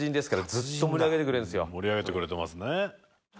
「盛り上げてくれてますね」